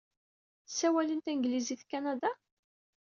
Ssawalen tanglizit deg Kanada?